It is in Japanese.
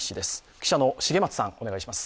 記者の重松さん、お願いします。